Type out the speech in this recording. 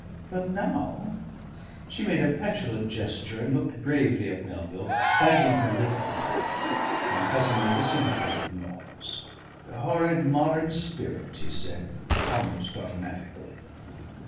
But now " She made a petulant gesture and looked gravely at Melville, biting her lip the while. My cousin made a sympathetic noise. "The horrid modern spirit," he said almost automatically....